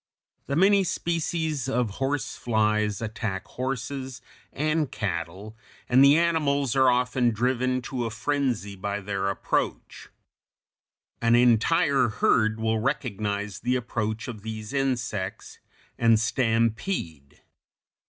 The many species of horse flies attack horses and cattle, and the animals are often driven to a frenzy by their approach. An entire herd will recognize the approach of these insects and stampede.